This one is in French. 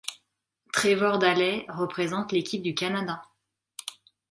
Trevor Daley représente l'équipe du Canada.